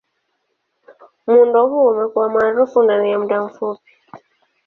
Muundo huu umekuwa maarufu ndani ya muda mfupi.